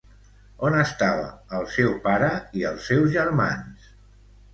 On estava el seu pare i els seus germans?